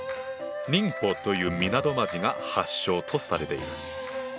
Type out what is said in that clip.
寧波という港町が発祥とされている。